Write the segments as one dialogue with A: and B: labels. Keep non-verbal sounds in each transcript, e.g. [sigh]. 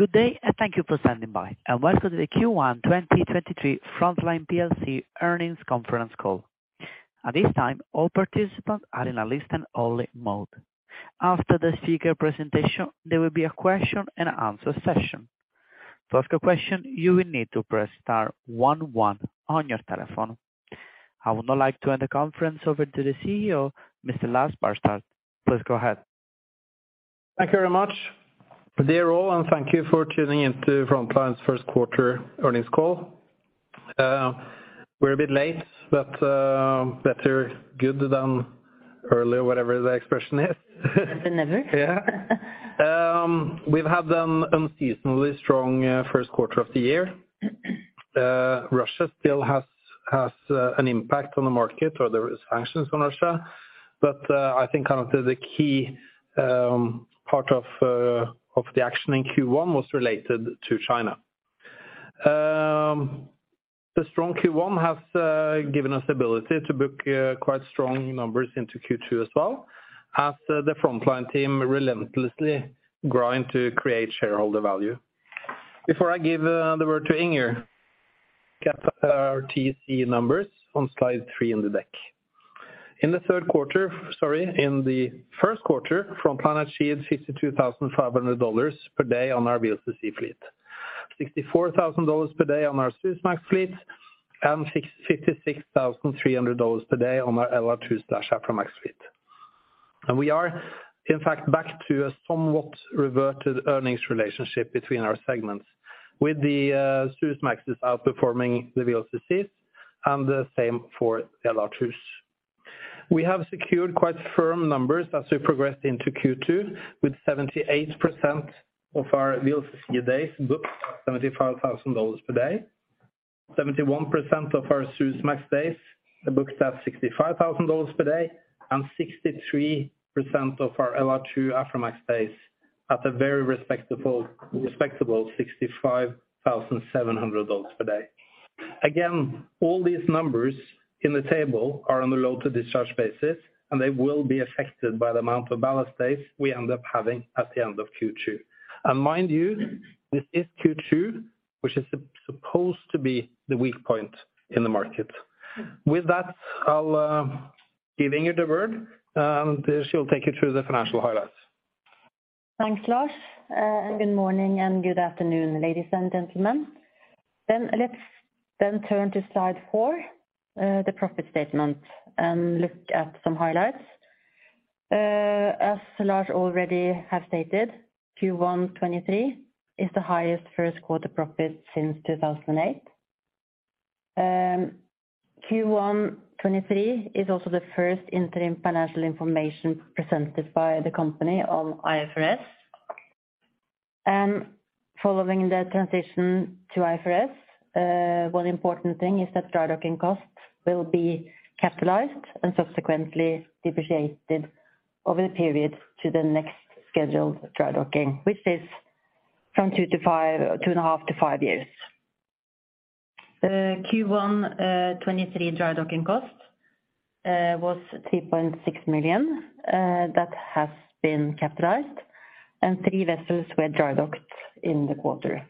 A: Good day, and thank you for standing by, and welcome to the Q1 2023 Frontline plc Earnings Conference Call. At this time, all participants are in a listen-only mode. After the speaker presentation, there will be a question-and-answer session. To ask a question, you will need to press star one one on your telephone. I would now like to hand the conference over to the CEO, Mr. Lars Barstad. Please go ahead.
B: Thank you very much. Good day all, and thank you for tuning in to Frontline's first quarter earnings call. We're a bit late, but, better good than early, or whatever the expression is.
C: Better than never.
B: Yeah. We've had an unseasonably strong first quarter of the year. Russia still has an impact on the market, or there is sanctions on Russia, I think kind of the key part of the action in Q1 was related to China. The strong Q1 has given us the ability to book quite strong numbers into Q2 as well, as the Frontline team relentlessly grind to create shareholder value. Before I give the word to Inger, get our TC numbers on slide three in the deck. In the first quarter, Frontline achieved $52,500 per day on our VLCC fleet. $64,000 per day on our Suezmax fleet, and $56,300 per day on our LR2/Aframax fleet. We are, in fact, back to a somewhat reverted earnings relationship between our segments, with the Suezmax outperforming the VLCCs, and the same for LR2s. We have secured quite firm numbers as we progress into Q2, with 78% of our VLCC days booked at $75,000 per day, 71% of our Suezmax days are booked at $65,000 per day, and 63% of our LR2/Aframax days at a very respectable $65,700 per day. Again, all these numbers in the table are on a load to discharge basis, and they will be affected by the amount of ballast days we end up having at the end of Q2. Mind you, this is Q2, which is supposed to be the weak point in the market. With that, I'll give Inger the word, and she'll take you through the financial highlights.
C: Thanks, Lars. Good morning, and good afternoon, ladies and gentlemen. Let's then turn to slide four, the profit statement, and look at some highlights. As Lars already have stated, Q1 '2023 is the highest first quarter profit since 2008. Q1 '2023 is also the first interim financial information presented by the company on IFRS. Following the transition to IFRS, one important thing is that dry docking costs will be capitalized and subsequently depreciated over the period to the next scheduled dry docking, which is from 2.5 to five years. Q1 '2023 dry docking costs was $3.6 million that has been capitalized, and three vessels were dry docked in the quarter.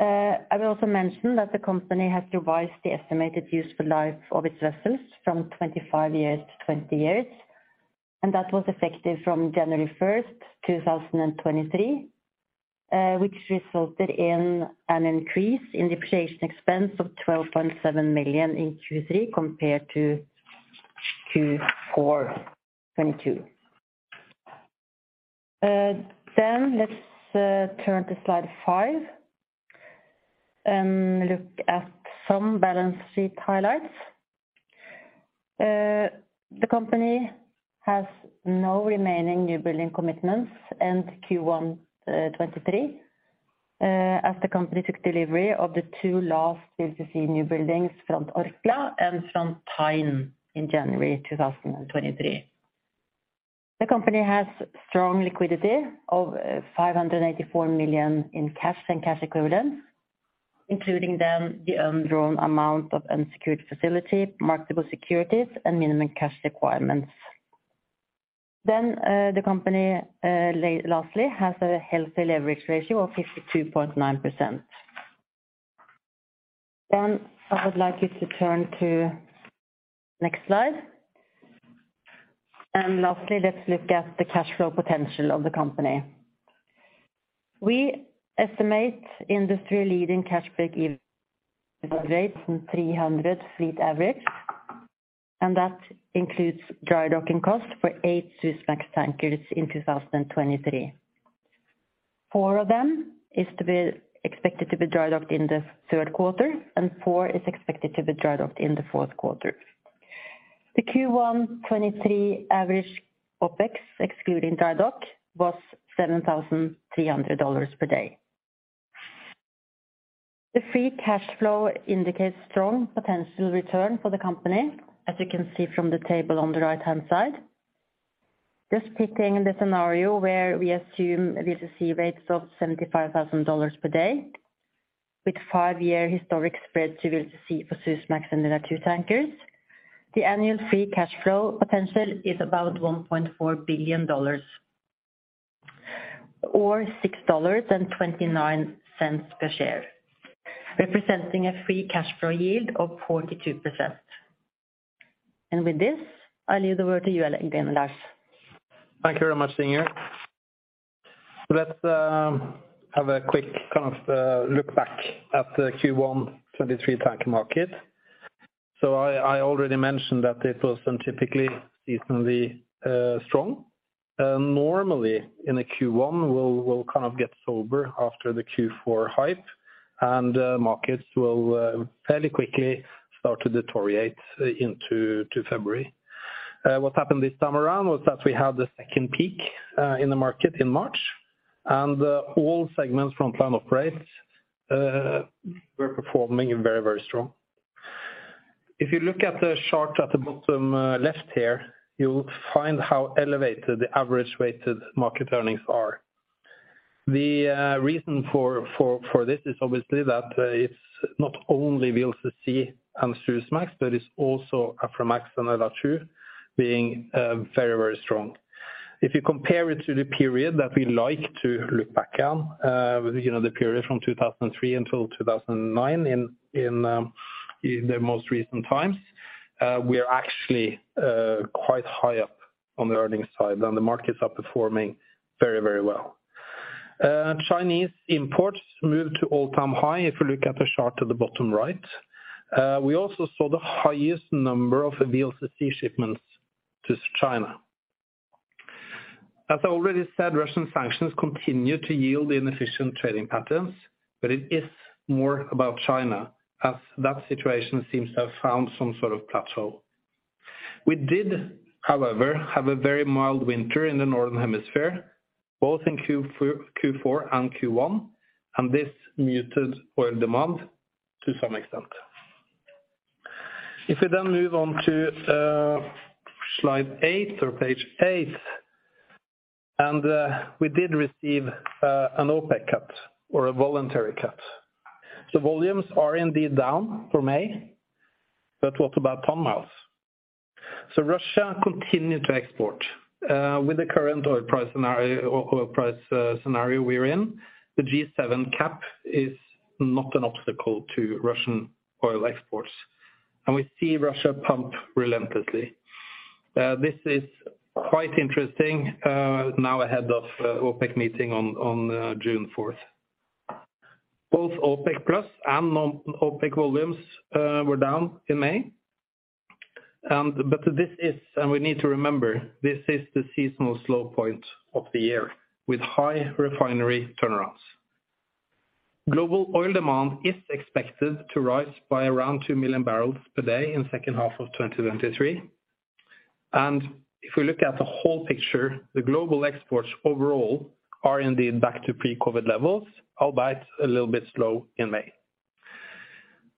C: I will also mention that the company has revised the estimated useful life of its vessels from 25 years to 20 years, and that was effective from January 1st, 2023, which resulted in an increase in depreciation expense of $12.7 million in Q3, compared to Q4 '2022. Let's turn to slide five, and look at some balance sheet highlights. The company has no remaining newbuilding commitments in Q1 '2023, as the company took delivery of the two last VLCC newbuildings Front Orkla and Front Tyne in January 2023. The company has strong liquidity of $584 million in cash and cash equivalents, including then the undrawn amount of unsecured facility, marketable securities, and minimum cash requirements. The company, lastly, has a healthy leverage ratio of 52.9%. I would like you to turn to next slide. Lastly, let's look at the cash flow potential of the company. We estimate industry-leading cash break even rates in 300 fleet average, and that includes dry docking costs for eight Suezmax tankers in 2023. Four of them expected to be dry docked in the third quarter, and four is expected to be dry docked in the fourth quarter. The Q1 2023 average OpEx, excluding dry dock, was $7,300 per day. The free cash flow indicates strong potential return for the company, as you can see from the table on the right-hand side. Just picking the scenario where we assume VLCC rates of $75,000 per day with five-year historic spread to go to see for Suezmax and LR2 tankers. The annual free cash flow potential is about $1.4 billion, or $6.29 per share, representing a free cash flow yield of 42%. With this, I leave the word to you, [audio distortion] Lars.
B: Thank you very much, Inger. Let's have a quick kind of look back at the Q1 2023 tanker market. I already mentioned that it was untypically, seasonally strong. Normally, in a Q1, we'll kind of get sober after the Q4 hype, and markets will fairly quickly start to deteriorate into February. What happened this time around was that we had the second peak in the market in March, and all segments from plan operates were performing very, very strong. If you look at the chart at the bottom left here, you will find how elevated the average weighted market earnings are. The reason for this is obviously that it's not only VLCC and Suezmax, but it's also Aframax and LR2 being very, very strong. If you compare it to the period that we like to look back on, you know, the period from 2003 until 2009 in, in the most recent times, we are actually quite high up on the earnings side, and the markets are performing very, very well. Chinese imports moved to all-time high, if you look at the chart at the bottom right. We also saw the highest number of VLCC shipments to China. As I already said, Russian sanctions continue to yield inefficient trading patterns, but it is more about China, as that situation seems to have found some sort of plateau. We did, however, have a very mild winter in the Northern Hemisphere, both in Q4 and Q1, and this muted oil demand to some extent. If we then move on to slide eight or page eight, we did receive an OPEC cut or a voluntary cut. The volumes are indeed down for May. What about ton miles? Russia continued to export. With the current oil price scenario or oil price scenario we're in, the G7 cap is not an obstacle to Russian oil exports, and we see Russia pump relentlessly. This is quite interesting now ahead of OPEC meeting on June 4th. Both OPEC+ and non-OPEC volumes were down in May. This is, and we need to remember, this is the seasonal slow point of the year, with high refinery turnarounds. Global oil demand is expected to rise by around two million bbl per day in second half of 2023. If we look at the whole picture, the global exports overall are indeed back to pre-COVID levels, albeit a little bit slow in May.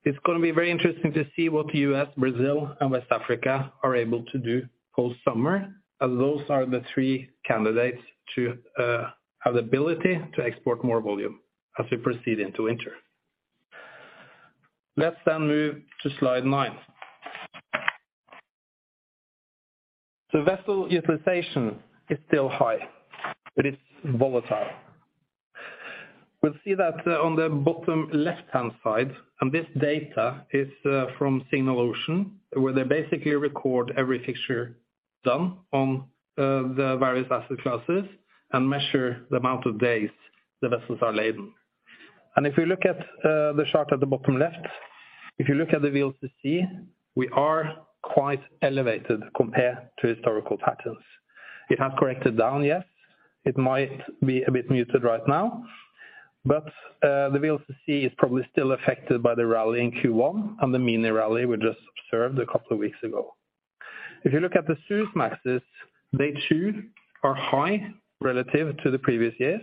B: It's gonna be very interesting to see what the U.S., Brazil, and West Africa are able to do post-summer, as those are the three candidates to have the ability to export more volume as we proceed into winter. Let's move to slide nine. The vessel utilization is still high, but it's volatile. We'll see that on the bottom left-hand side, and this data is from Signal Ocean, where they basically record every fixture done on the various asset classes and measure the amount of days the vessels are laden. If you look at the chart at the bottom left, if you look at the VLCC, we are quite elevated compared to historical patterns. It has corrected down, yes, it might be a bit muted right now, the VLCC is probably still affected by the rally in Q1 and the mini rally we just observed a couple of weeks ago. If you look at the Suezmaxes, they too are high relative to the previous years,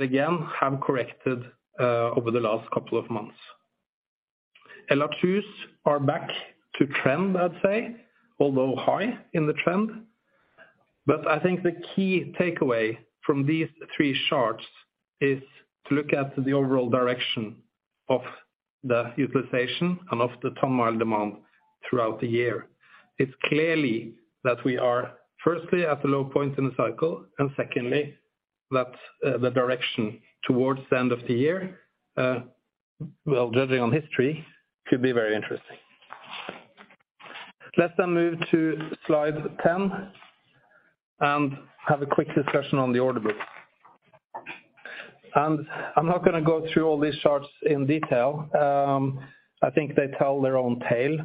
B: again, have corrected over the last couple of months. LR2s are back to trend, I'd say, although high in the trend. I think the key takeaway from these three charts is to look at the overall direction of the utilization and of the ton mile demand throughout the year. It's clearly that we are, firstly, at the low point in the cycle, and secondly, that the direction towards the end of the year, well, judging on history, could be very interesting. Let's move to slide 10 and have a quick discussion on the order book. I'm not gonna go through all these charts in detail. I think they tell their own tale.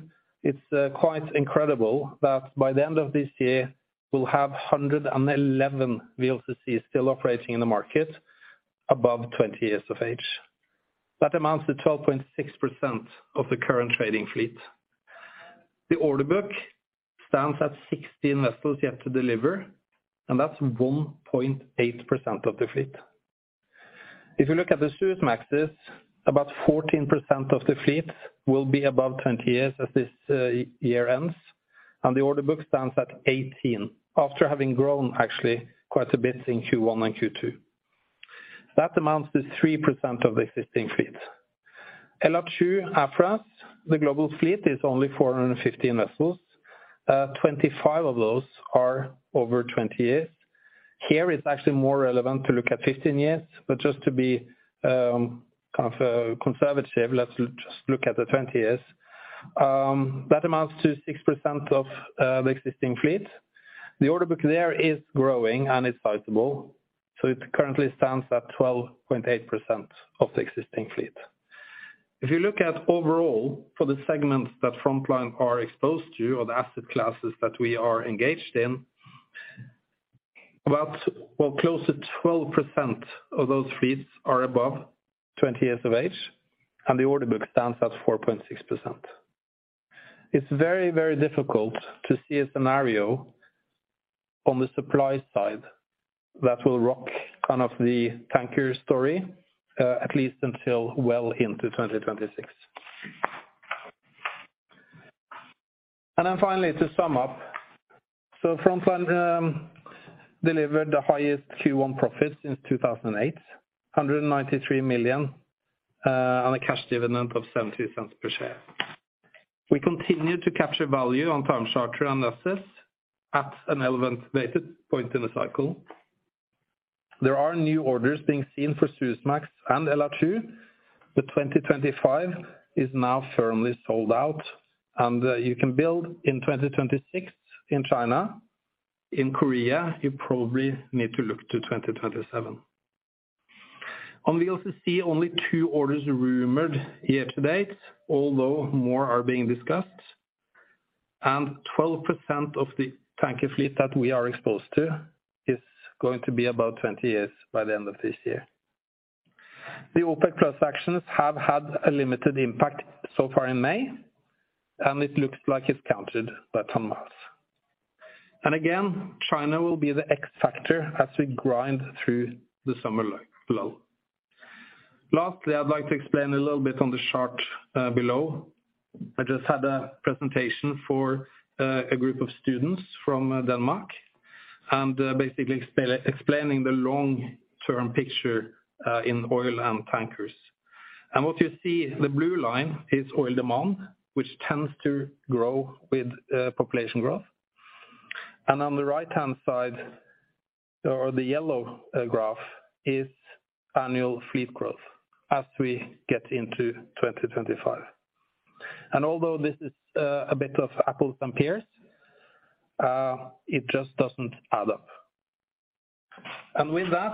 B: It's quite incredible that by the end of this year, we'll have 111 VLCC still operating in the market above 20 years of age. That amounts to 12.6% of the current trading fleet. The order book stands at 16 vessels yet to deliver, and that's 1.8% of the fleet. If you look at the Suezmaxes, about 14% of the fleet will be above 20 years as this year ends. The order book stands at 18, after having grown actually quite a bit in Q1 and Q2. That amounts to 3% of the existing fleet. LR2 Aframax, the global fleet is only 450 vessels, 25 of those are over 20 years. Here, it's actually more relevant to look at 15 years, but just to be, kind of, conservative, let's just look at the 20 years. That amounts to 6% of the existing fleet. The order book there is growing and it's sizable, so it currently stands at 12.8% of the existing fleet. If you look at overall for the segments that Frontline are exposed to, or the asset classes that we are engaged in, about, well, close to 12% of those fleets are above 20 years of age, and the order book stands at 4.6%. It's very, very difficult to see a scenario on the supply side that will rock kind of the tanker story, at least until well into 2026. Finally, to sum up. Frontline delivered the highest Q1 profit since 2008, $193 million, and a cash dividend of $0.70 per share. We continue to capture value on time charter and assets at an elevated point in the cycle. There are new orders being seen for Suezmax and LR2. The 2025 is now firmly sold out, and you can build in 2026 in China. In Korea, you probably need to look to 2027. On the VLCC only two orders rumored year to date, although more are being discussed, 12% of the tanker fleet that we are exposed to is going to be about 20 years by the end of this year. The OPEC+ actions have had a limited impact so far in May, it looks like it's countered by Thomas. Again, China will be the X factor as we grind through the summer long lull. Lastly, I'd like to explain a little bit on the chart below. I just had a presentation for a group of students from Denmark, basically explaining the long-term picture in oil and tankers. What you see, the blue line is oil demand, which tends to grow with population growth. On the right-hand side, or the yellow graph, is annual fleet growth as we get into 2025. Although this is a bit of apples and pears, it just doesn't add up. With that,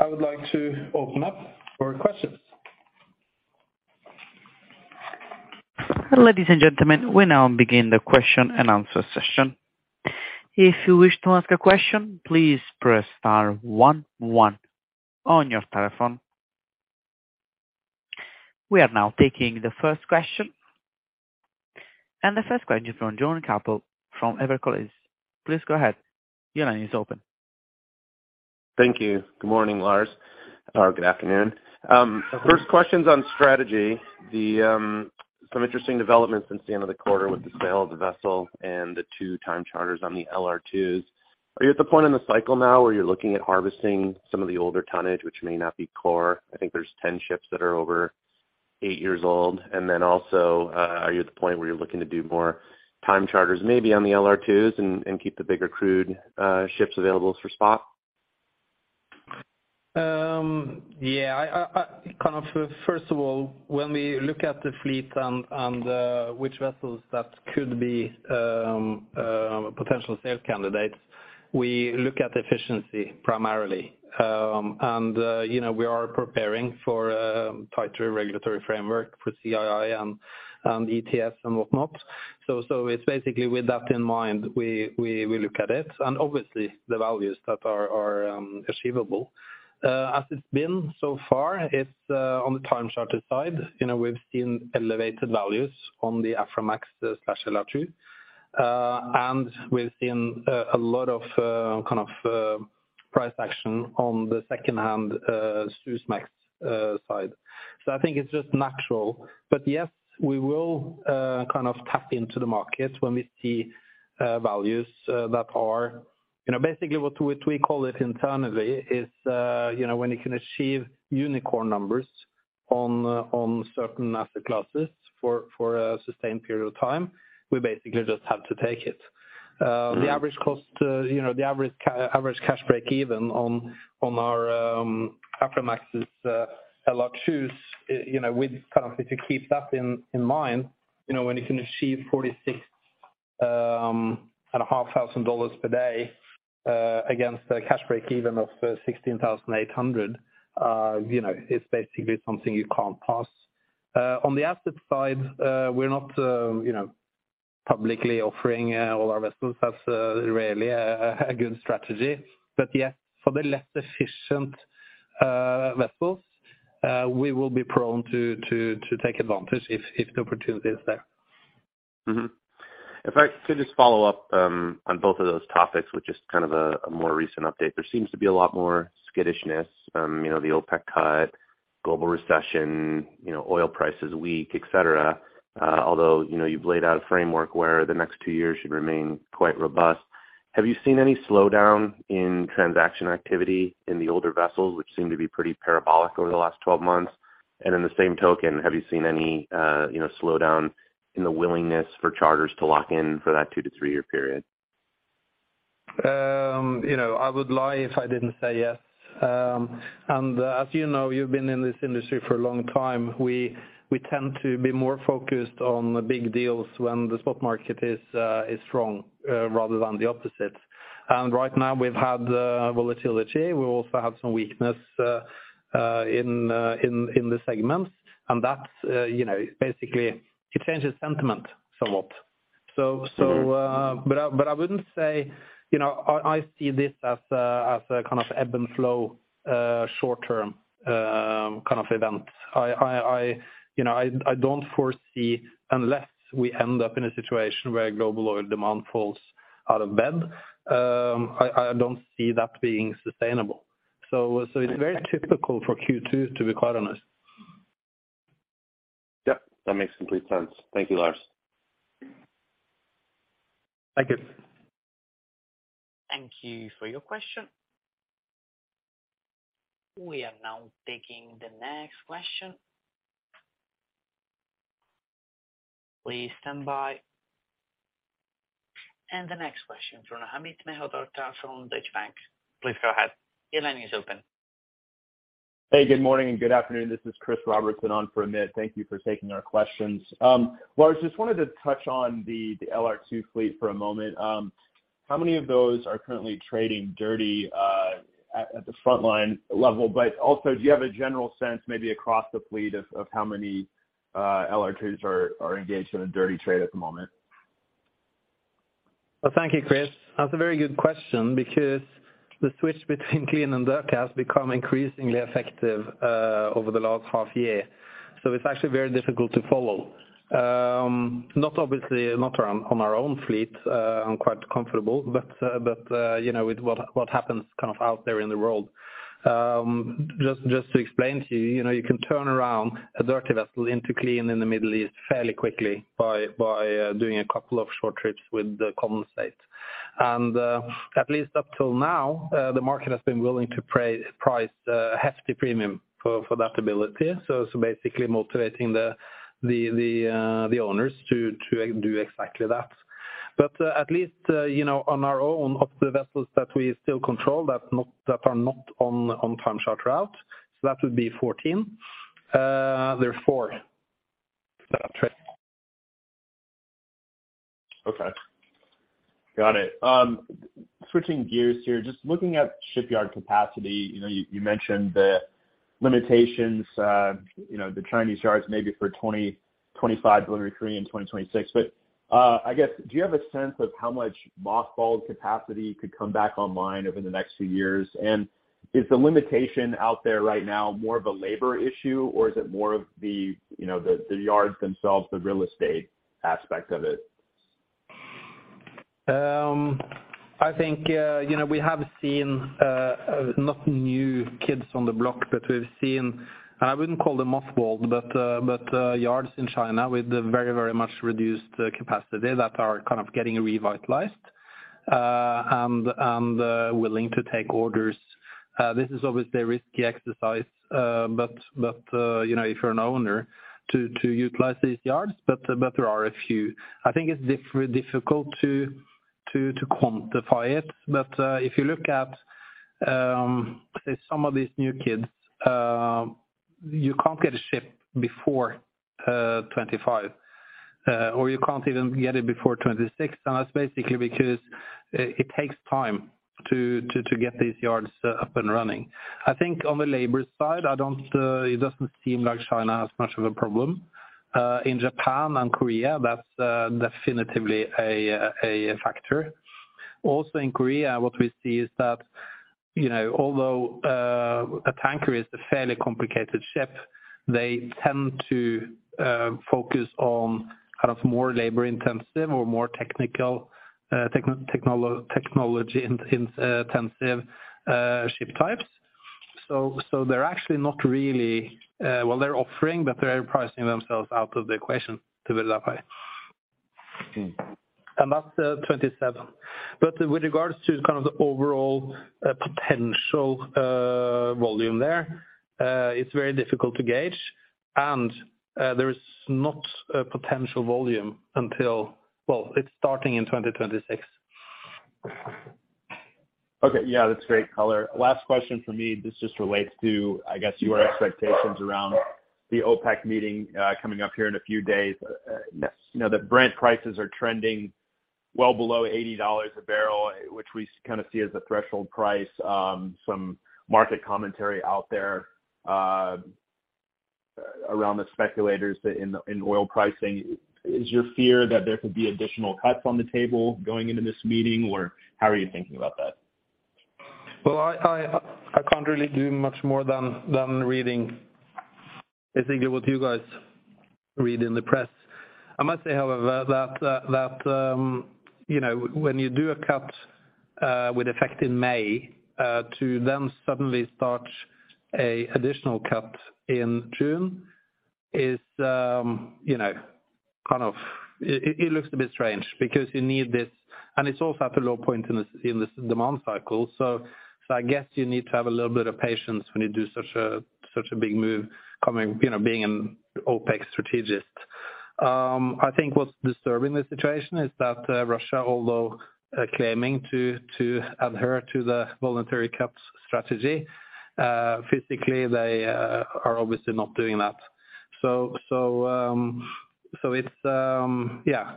B: I would like to open up for questions.
A: Ladies and gentlemen, we now begin the question and answer session. If you wish to ask a question, please press star one on your telephone. We are now taking the first question. The first question from Jonathan Chappell from Evercore. Please go ahead. Your line is open.
D: Thank you. Good morning, Lars, or good afternoon. First question's on strategy. Some interesting developments since the end of the quarter with the sale of the vessel and the two time charters on the LR2s. Are you at the point in the cycle now where you're looking at harvesting some of the older tonnage, which may not be core? I think there's 10 ships that are over eight years old. Also, are you at the point where you're looking to do more time charters, maybe on the LR2s and keep the bigger crude ships available for spot?
B: Yeah, I first of all, when we look at the fleet and which vessels that could be potential sales candidates, we look at efficiency primarily. You know, we are preparing for a tighter regulatory framework for CII and ETS and whatnot. It's basically with that in mind, we look at it, and obviously the values that are achievable. As it's been so far, it's on the time charter side, you know, we've seen elevated values on the Aframax/LR2, and we've seen a lot of price action on the second-hand Suezmax side. I think it's just natural. Yes, we will kind of tap into the market when we see values that are. You know, basically what we call it internally is, you know, when you can achieve unicorn numbers on certain asset classes for a sustained period of time, we basically just have to take it. The average cost, you know, the average cash break even on our Aframax's, LR2s, you know, we kind of if you keep that in mind, you know, when you can achieve $46,500 per day against a cash break even of $16,800, you know, it's basically something you can't pass. On the asset side, we're not, you know, publicly offering all our vessels. That's rarely a good strategy. Yes, for the less efficient vessels, we will be prone to take advantage if the opportunity is there.
D: If I could just follow up on both of those topics with just kind of a more recent update. There seems to be a lot more skittishness, you know, the OPEC cut global recession, you know, oil prices weak, et cetera. Although, you know, you've laid out a framework where the next two years should remain quite robust. Have you seen any slowdown in transaction activity in the older vessels, which seem to be pretty parabolic over the last 12 months? In the same token, have you seen any, you know, slowdown in the willingness for charters to lock in for that two to three-year period?
B: You know, I would lie if I didn't say yes. As you know, you've been in this industry for a long time, we tend to be more focused on the big deals when the spot market is strong, rather than the opposite. Right now we've had volatility. We also have some weakness in the segment, and that's, you know, basically it changes sentiment somewhat. I, but I wouldn't say, you know, I see this as a, as a kind of ebb and flow, short-term, kind of event. I, you know, I don't foresee, unless we end up in a situation where global oil demand falls out of bed, I don't see that being sustainable. It's very typical for Q2 to be quite honest.
D: Yep, that makes complete sense. Thank you, Lars.
B: Thank you.
A: Thank you for your question. We are now taking the next question. Please stand by. The next question from Amit Mehrotra from Deutsche Bank. Please go ahead, your line is open.
E: Hey, good morning and good afternoon, this is Chris Robertson on for Amit. Thank you for taking our questions. Lars, just wanted to touch on the LR2 fleet for a moment. How many of those are currently trading dirty, at the Frontline level? Do you have a general sense, maybe across the fleet, of how many LR2s are engaged in a dirty trade at the moment?
B: Well, thank you, Chris. That's a very good question because the switch between clean and dirt has become increasingly effective over the last half year. It's actually very difficult to follow. Not obviously, not on our own fleet, I'm quite comfortable, but, you know, with what happens kind of out there in the world. Just to explain to you know, you can turn around a dirty vessel into clean in the Middle East fairly quickly by doing a couple of short trips with the common state. At least up till now, the market has been willing to price a hefty premium for that ability. Basically motivating the owners to do exactly that.at least, you know, on our own, of the vessels that we still control, that are not on time chart route, so that would be 14, there are four that are trading.
E: Okay. Got it. Switching gears here, just looking at shipyard capacity, you know, you mentioned the limitations, you know, the Chinese yards maybe for 2025 delivery, in 2026. I guess, do you have a sense of how much mothballed capacity could come back online over the next few years? And is the limitation out there right now more of a labor issue, or is it more of the, you know, the yards themselves, the real estate aspect of it?
B: I think, you know, we have seen, not new kids on the block, but we've seen, I wouldn't call them mothballed, but, yards in China with very, very much reduced capacity, that are kind of getting revitalized, and, willing to take orders. This is obviously a risky exercise, but, you know, if you're an owner, to utilize these yards, but there are a few. I think it's difficult to, to quantify it, but, if you look at, say, some of these new kids, you can't get a ship before 2025, or you can't even get it before 2026. That's basically because, it takes time to, to get these yards up and running. I think on the labor side, I don't, it doesn't seem like China has much of a problem. In Japan and Korea, that's definitively a factor. In Korea, what we see is that, you know, although a tanker is a fairly complicated ship, they tend to focus on kind of more labor intensive or more technical, technology intensive ship types. They're actually not really, well, they're offering, but they're pricing themselves out of the equation to a large high. That's 2027. With regards to kind of the overall potential volume there, it's very difficult to gauge, and there is not a potential volume until... Well, it's starting in 2026.
E: Okay, yeah, that's great color. Last question for me. This just relates to, I guess, your expectations around the OPEC meeting, coming up here in a few days.
B: Yes.
E: You know, the Brent prices are trending well below $80 a bbl, which we kind of see as a threshold price. Some market commentary out there, around the speculators in oil pricing. Is your fear that there could be additional cuts on the table going into this meeting, or how are you thinking about that?
B: Well, I can't really do much more than reading, I think, with you guys.... read in the press. I must say, however, that, you know, when you do a cut with effect in May, to then suddenly start a additional cut in June is, you know, kind of it looks a bit strange because you need this. It's also at a low point in the demand cycle. I guess you need to have a little bit of patience when you do such a big move coming, you know, being an OPEC strategist. I think what's disturbing the situation is that Russia, although claiming to adhere to the voluntary caps strategy, physically, they are obviously not doing that. It's yeah,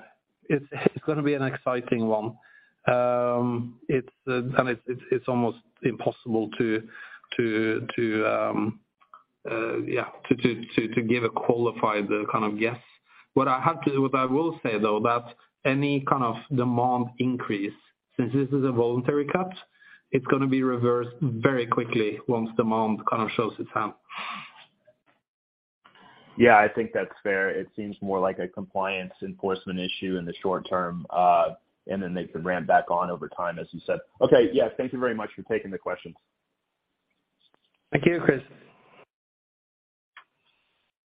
B: it's gonna be an exciting one. It's almost impossible to give a qualified kind of guess. What I will say, though, that any kind of demand increase, since this is a voluntary cut, it's gonna be reversed very quickly once demand kind of shows its hand.
E: Yeah, I think that's fair. It seems more like a compliance enforcement issue in the short term, then they could ramp back on over time, as you said. Okay. Yeah, thank you very much for taking the questions.
B: Thank you, Chris.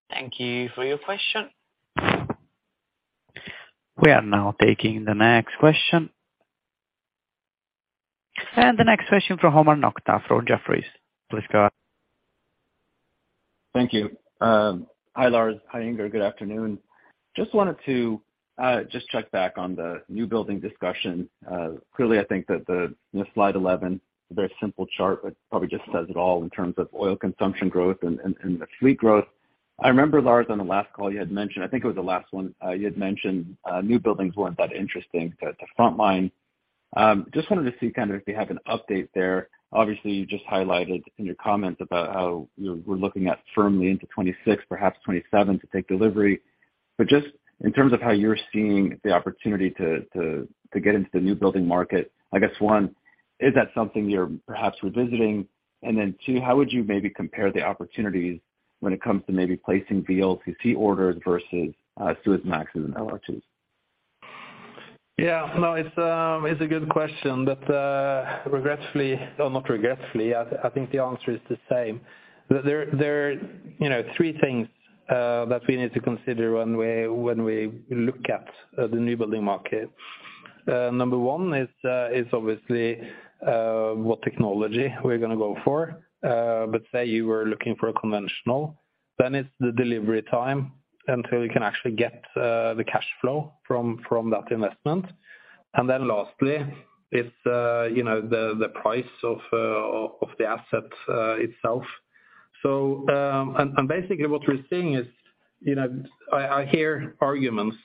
A: Thank you for your question. We are now taking the next question. The next question from Omar Nokta from Jefferies. Please go ahead.
F: Thank you. Hi, Lars. Hi, Inger. Good afternoon. Just wanted to just check back on the new building discussion. Clearly, I think that the slide 11, very simple chart, but probably just says it all in terms of oil consumption growth and the fleet growth. I remember, Lars, on the last call you had mentioned, I think it was the last one, you had mentioned new buildings weren't that interesting to Frontline. Just wanted to see kind of if you have an update there. Obviously, you just highlighted in your comments about how we're looking at firmly into 2026, perhaps 2027, to take delivery. Just in terms of how you're seeing the opportunity to get into the new building market, I guess, one, is that something you're perhaps revisiting? Two, how would you maybe compare the opportunities when it comes to maybe placing VLCC orders versus Suezmaxes and LR2s?
B: Yeah. No, it's a good question, but regretfully, or not regretfully, I think the answer is the same. You know, three things that we need to consider when we look at the new building market. Number one is obviously what technology we're gonna go for. Say you were looking for a conventional, then it's the delivery time until you can actually get the cash flow from that investment. Lastly, it's, you know, the price of the asset itself. Basically what we're seeing is, you know, I hear arguments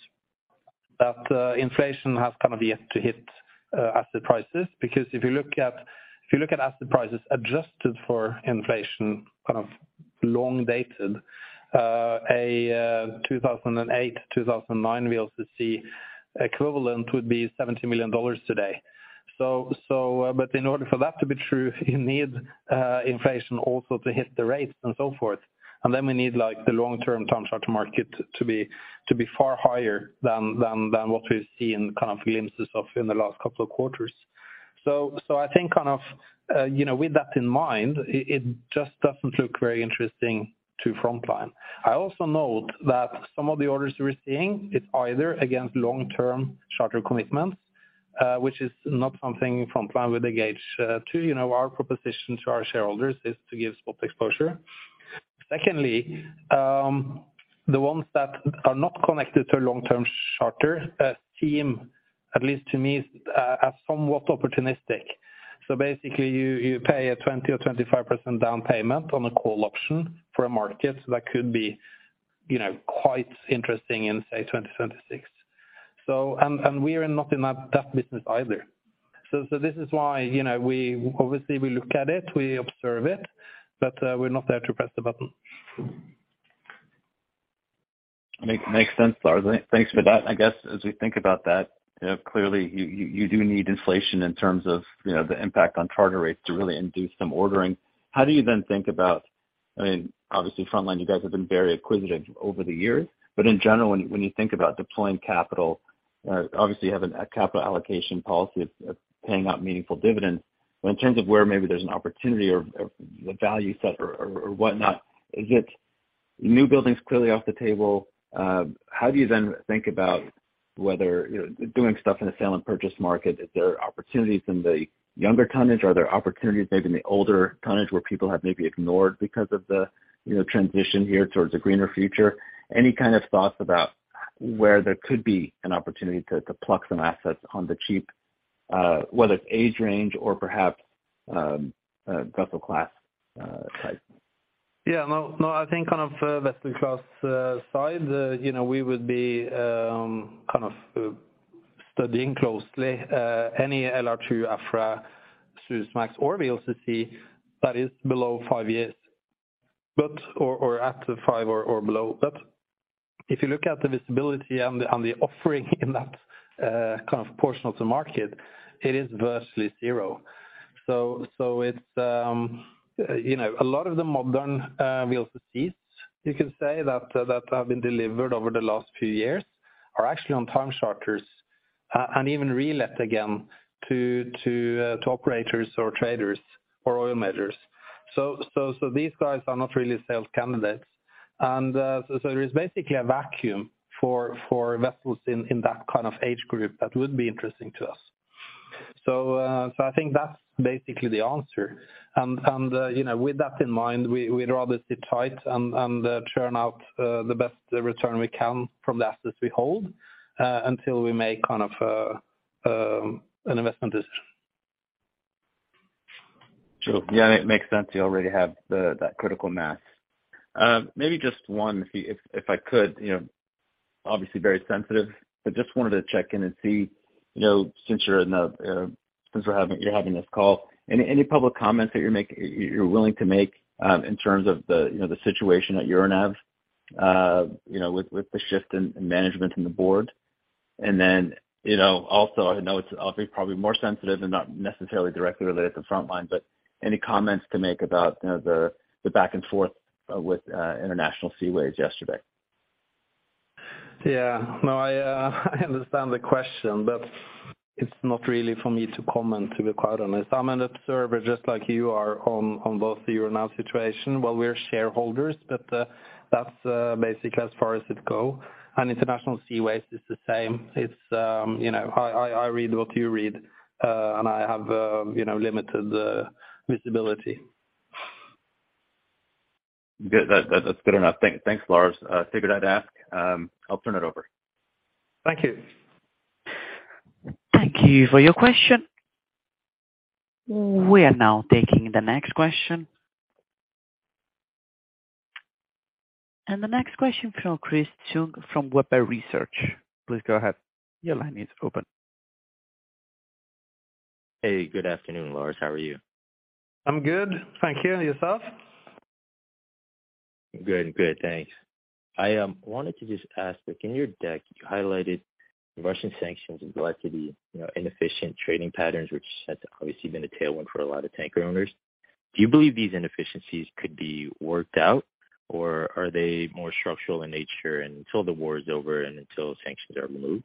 B: that inflation has kind of yet to hit asset prices. Because if you look at asset prices adjusted for inflation, kind of long dated, 2008, 2009 VLCC equivalent would be $70 million today. But in order for that to be true, you need inflation also to hit the rates and so forth. We need, like, the long-term time charter market to be far higher than what we've seen kind of glimpses of in the last couple of quarters. I think kind of, you know, with that in mind, it just doesn't look very interesting to Frontline. I also note that some of the orders we're seeing, it's either against long-term charter commitments, which is not something Frontline would engage to. You know, our proposition to our shareholders is to give spot exposure. Secondly, the ones that are not connected to a long-term charter, seem, at least to me, as somewhat opportunistic. Basically, you pay a 20% or 25% down payment on a call option for a market that could be, you know, quite interesting in, say, 2026. And we are not in that business either. This is why, you know, we obviously we look at it, we observe it, but, we're not there to press the button.
F: Makes sense, Lars. Thanks for that. I guess, as we think about that, you know, clearly, you do need inflation in terms of, you know, the impact on charter rates to really induce some ordering. How do you then think about I mean, obviously, Frontline, you guys have been very acquisitive over the years, but in general, when you think about deploying capital, obviously you have a capital allocation policy of paying out meaningful dividends. But in terms of where maybe there's an opportunity or the value set or whatnot, is it new buildings clearly off the table, how do you then think about whether, you know, doing stuff in the sale and purchase market, is there opportunities in the younger tonnage? Are there opportunities maybe in the older tonnage where people have maybe ignored because of the, you know, transition here towards a greener future? Any kind of thoughts about where there could be an opportunity to pluck some assets on the cheap, whether it's age range or perhaps vessel class type?
B: Yeah, no, I think on of vessel class side, you know, we would be kind of studying closely any LR2 Afra, Suezmax or VLCC that is below five years, or at five or below. If you look at the visibility on the offering in that kind of portion of the market, it is virtually zero. It's, you know, a lot of the modern, we also see, you can say that have been delivered over the last few years, are actually on time charters, and even relet again to operators or traders or oil majors. These guys are not really sales candidates. So there is basically a vacuum for vessels in that kind of age group that would be interesting to us. I think that's basically the answer. You know, with that in mind, we'd rather sit tight and churn out the best return we can from the assets we hold until we make kind of an investment decision.
F: Sure. Yeah, it makes sense. You already have that critical mass. Maybe just one, if I could, you know, obviously very sensitive, but just wanted to check in and see, you know, since you're having this call, any public comments that you're willing to make, in terms of the, you know, the situation at Euronav, you know, with the shift in management in the board? You know, also, I know it's obviously probably more sensitive and not necessarily directly related to Frontline, but any comments to make about, you know, the back and forth with International Seaways yesterday?
B: Yeah, no, I understand the question, but it's not really for me to comment, to be quite honest. I'm an observer, just like you are, on both the Euronav situation, well, we're shareholders, but that's basically as far as it go. International Seaways is the same. It's, you know, I read what you read, and I have, you know, limited visibility.
F: Good. That's good enough. Thanks, Lars. figured I'd ask, I'll turn it over.
B: Thank you.
A: Thank you for your question. We are now taking the next question. The next question from Chris Tsung, from Webber Research. Please go ahead. Your line is open.
G: Hey, good afternoon, Lars. How are you?
B: I'm good, thank you. Yourself?
G: Good. Good, thanks. I wanted to just ask, like, in your deck, you highlighted the Russian sanctions have led to the, you know, inefficient trading patterns, which has obviously been a tailwind for a lot of tanker owners. Do you believe these inefficiencies could be worked out, or are they more structural in nature, and until the war is over and until sanctions are removed?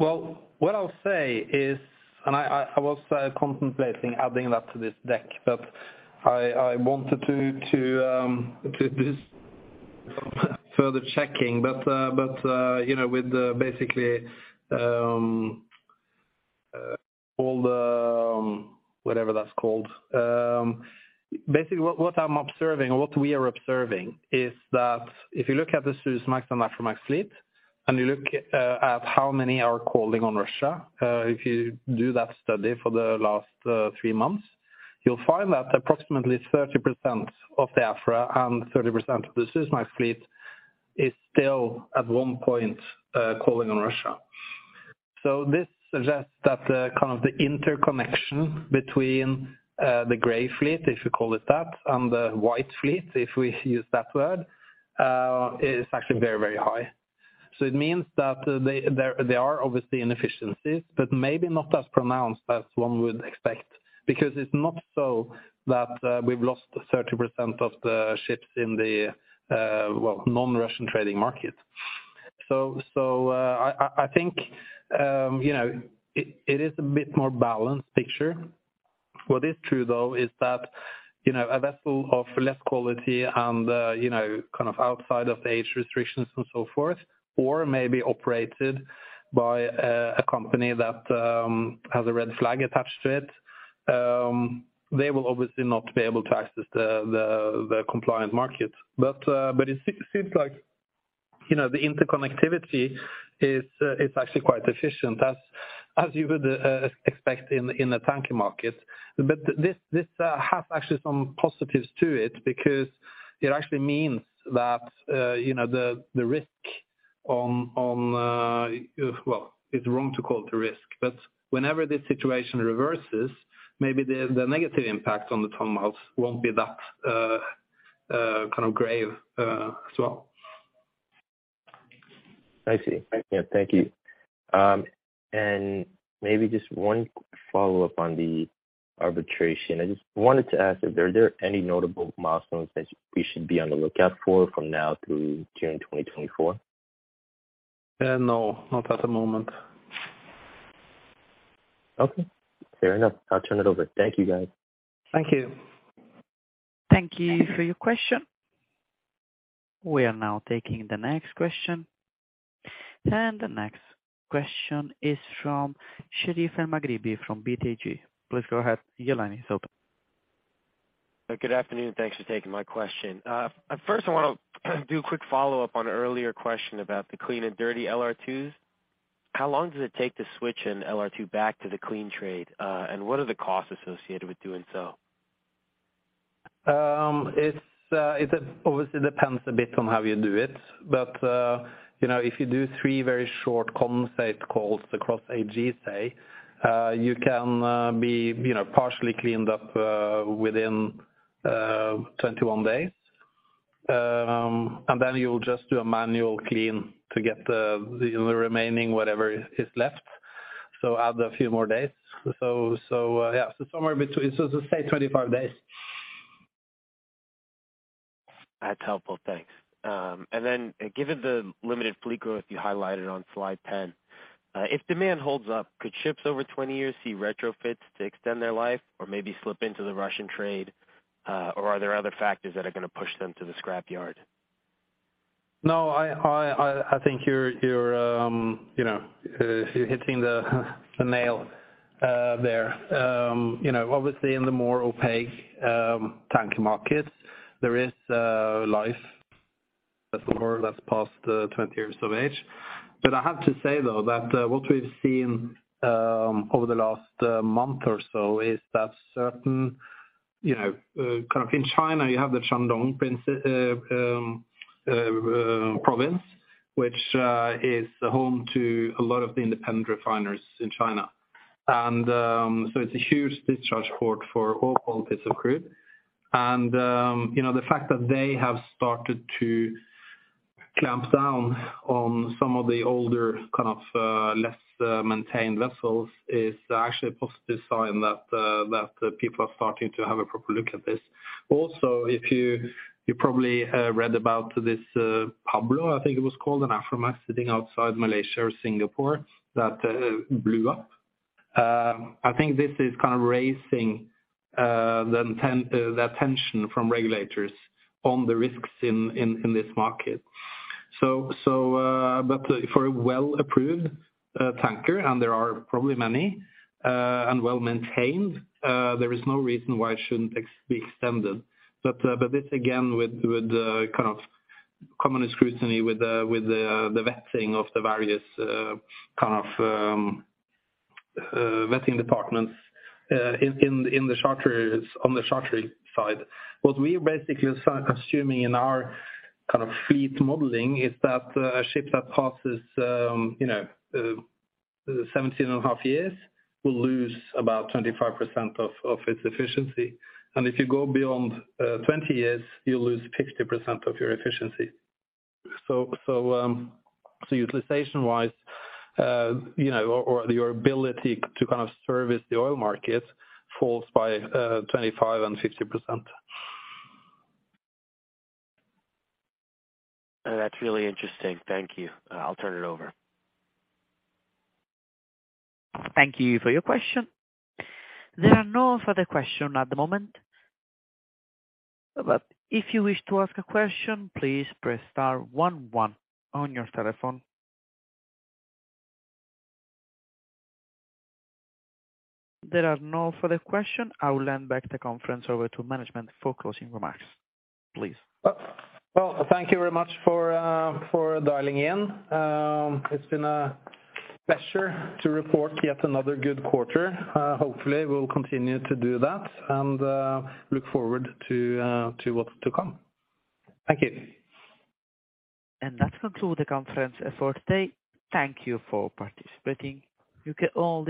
B: Well, what I'll say is I was contemplating adding that to this deck, but I wanted to this further checking, but you know, with basically, all the, whatever that's called. Basically, what I'm observing, or what we are observing, is that if you look at the Suezmax and Aframax fleet, and you look at how many are calling on Russia, if you do that study for the last three months, you'll find that approximately 30% of the Afra and 30% of the Suezmax fleet is still at one point calling on Russia. This suggests that the, kind of, the interconnection between the gray fleet, if you call it that, and the white fleet, if we use that word, is actually very, very high. It means that there are obviously inefficiencies, but maybe not as pronounced as one would expect, because it's not so that we've lost 30% of the ships in the non-Russian trading market. I think, you know, it is a bit more balanced picture. What is true, though, is that, you know, a vessel of less quality and, you know, kind of outside of the age restrictions and so forth, or maybe operated by a company that has a red flag attached to it, they will obviously not be able to access the compliant market. It seems like, you know, the interconnectivity is actually quite efficient, as you would expect in a tanker market. This has actually some positives to it, because it actually means that, you know, the risk on. Well, it's wrong to call it the risk. Whenever this situation reverses, maybe the negative impact on the ton miles won't be that kind of grave as well.
G: I see. I see. Thank you. Maybe just one follow-up on the arbitration. I just wanted to ask if are there any notable milestones that we should be on the lookout for from now through June 2024?
B: No, not at the moment.
G: Okay. Fair enough. I'll turn it over. Thank you, guys.
B: Thank you.
A: Thank you for your question. We are now taking the next question. The next question is from Sherif Elmaghrabi from BTIG. Please go ahead, your line is open.
H: Good afternoon. Thanks for taking my question. First I want to do a quick follow-up on an earlier question about the clean and dirty LR2s. How long does it take to switch an LR2 back to the clean trade, and what are the costs associated with doing so?
B: It obviously depends a bit on how you do it. You know, if you do three very short condensate calls across AG say, you can be, you know, partially cleaned up within 21 days. You'll just do a manual clean to get the remaining whatever is left, so add a few more days. Yeah, somewhere between, say 25 days.
H: That's helpful. Thanks. Given the limited fleet growth you highlighted on slide 10, if demand holds up, could ships over 20 years see retrofits to extend their life or maybe slip into the Russian trade, or are there other factors that are gonna push them to the scrap yard?
B: No i think you're- you know, you're hitting the nail there. You know, obviously in the more opaque tank market, there is life, a vessel that's passed 20 years of age. But I have to say though that what we've seen over the last month or so is that certain, you know, kind of in China, you have the Shandong province, which is home to a lot of the independent refiners in China. So it's a huge discharge port for all qualities of crude. You know, the fact that they have started to clamp down on some of the older, kind of, less maintained vessels is actually a positive sign that people are starting to have a proper look at this. If you probably read about this Pablo, I think it was called, an Aframax sitting outside Malaysia or Singapore, that blew up. I think this is kind of raising the attention from regulators on the risks in, in this market. For a well-approved tanker, and there are probably many, and well-maintained, there is no reason why it shouldn't be extended. This, again, with kind of common scrutiny with the vetting of the various kind of vetting departments in, in the charterers, on the charterer side. What we basically are assuming in our kind of fleet modeling is that, a ship that passes, you know, 17.5 years, will lose about 25% of its efficiency. If you go beyond 20 years, you lose 50% of your efficiency. Utilization-wise, you know, or your ability to kind of service the oil market falls by 25% and 50%.
H: That's really interesting. Thank you. I'll turn it over.
A: Thank you for your question. There are no further questions at the moment, if you wish to ask a question, please press star 1 on your telephone. There are no further questions. I will hand back the conference over to management for closing remarks, please.
B: Well, thank you very much for dialing in. It's been a pleasure to report yet another good quarter. Hopefully we'll continue to do that, and look forward to what's to come. Thank you.
A: That concludes the conference for today. Thank you for participating. You can all disconnect.